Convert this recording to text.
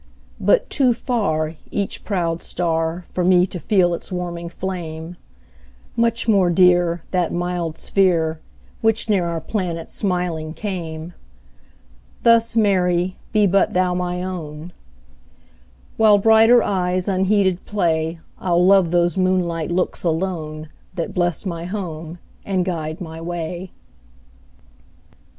But too farEach proud star, For me to feel its warming flame; Much more dear, That mild sphere, Which near our planet smiling came; Thus, Mary, be but thou my own; While brighter eyes unheeded play, I'll love those moonlight looks alone, That bless my home and guide my way.